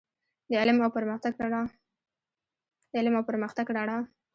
د علم او پرمختګ رڼا.